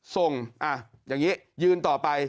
ทรงอ่ะอย่างงี้ยืนต่อไป